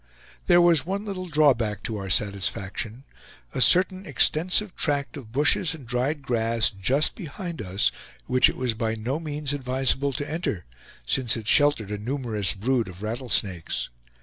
There was one little drawback to our satisfaction a certain extensive tract of bushes and dried grass, just behind us, which it was by no means advisable to enter, since it sheltered a numerous brood of rattlesnakes.